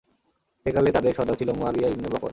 সেকালে তাদের সর্দার ছিল মুআবিয়া ইবন বকর।